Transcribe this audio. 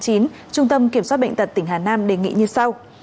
trung tâm kiểm soát bệnh tật tỉnh hà nam đề nghị như sau